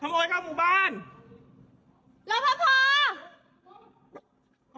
ขโมยเข้าหมู่บ้านครับ